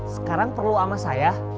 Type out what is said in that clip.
sekarang perlu ama saya